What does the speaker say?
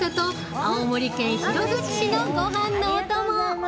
青森県弘前市のごはんのお供。